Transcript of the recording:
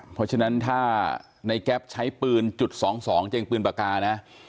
เพราะฉะนั้นถ้าในแก๊ปใช้ปืนจุด๒๒เจงปืนปากกานะ